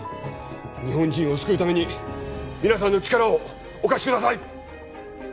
日本人を救うために皆さんの力をお貸しください！